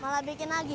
malah bikin lagi